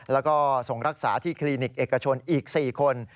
แล้วก็ส่งรักษาที่คลินิกเอกชนอีก๔คน